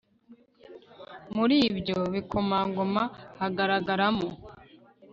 muri ibyo bikomangoma hagaragaram